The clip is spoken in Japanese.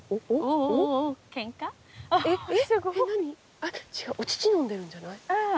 あっ違うお乳飲んでるんじゃない？